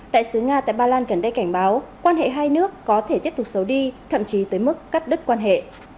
đại sứ nga tại ba lan gần đây cảnh báo quan hệ hai nước có thể tiếp tục xấu đi thậm chí tới mức cắt đứt quan hệ